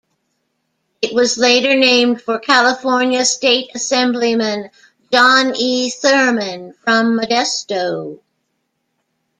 It was later named for California State Assemblyman John E. Thurman, from Modesto.